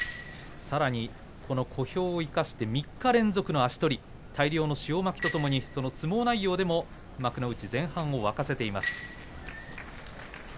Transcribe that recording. さらに小兵を生かして３日連続の足取り大量の塩まきとともにその相撲内容でも幕内前半を沸かせています。